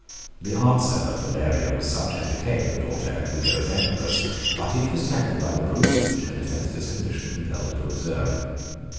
The answer of Valeria was such as became the daughter and widow of emperors; but it was tempered by the prudence which her defenceless condition compelled her to observe.